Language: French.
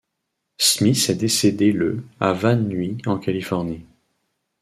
Smith est décédé le à Van Nuys en Californie.